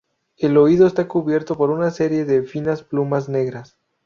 El oído está cubierto por una serie de finas plumas negras.